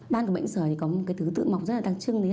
ban của bệnh sởi có một thứ tự mọc rất là đặc trưng